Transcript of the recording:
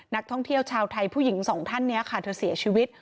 นักท่องเที่ยวชาวไทยผู้หญิงสองท่านนี้ค่ะเธอเสียชีวิต